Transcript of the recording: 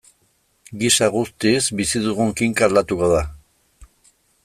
Gisa guztiz, bizi dugun kinka aldatuko da.